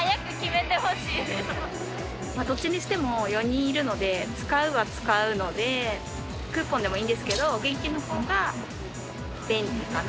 どっちにしても４人いるので、使うは使うので、クーポンでもいいんですけど、現金のほうが便利かな。